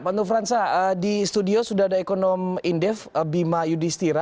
pak nufransa di studio sudah ada ekonom indef bima yudhistira